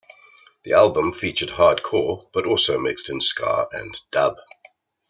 The album featured hardcore, but also mixed in ska and dub.